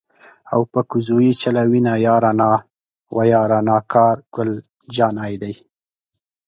او په کوزو یې چلوینه یاره نا وه یاره نا کار ګل جانی دی.